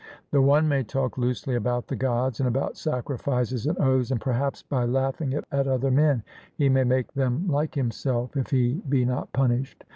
The one may talk loosely about the Gods and about sacrifices and oaths, and perhaps by laughing at other men he may make them like himself, if he be not punished.